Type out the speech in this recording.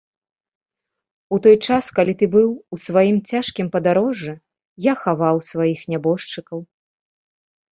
У той час, калі ты быў у сваім цяжкім падарожжы, я хаваў сваіх нябожчыкаў.